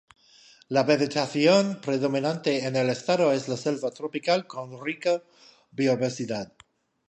La vegetación predominante en el estado es la selva tropical con rica biodiversidad.